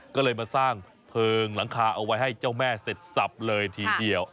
ก็เลยมาสร้างเพลิงหลังคาเอาไว้ให้เจ้าแม่เสร็จสับเลยทีเดียว